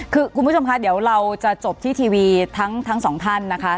คือคุณผู้ชมคะเดี๋ยวเราจะจบที่ทีวีทั้งสองท่านนะคะ